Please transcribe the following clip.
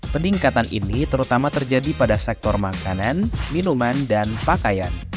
peningkatan ini terutama terjadi pada sektor makanan minuman dan pakaian